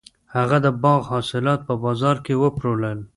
هغه د باغ حاصلات په بازار کې وپلورل.